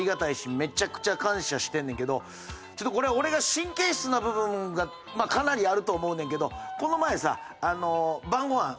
めちゃくちゃ感謝してんねんけどこれは俺が神経質な部分がかなりあると思うねんけどこの前さ晩ご飯作ったやん？